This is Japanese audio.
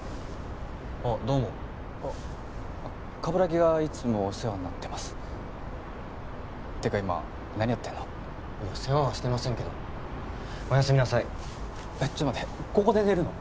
あっどうも鏑木がいつもお世話になってますってか今何やってんの？いや世話はしてませんけどおやすみなさいちょっと待ってここで寝るの？